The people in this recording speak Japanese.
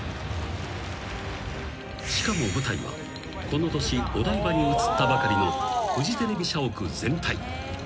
［しかも舞台はこの年お台場に移ったばかりのフジテレビ社屋全体］